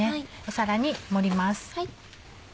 皿に盛ります。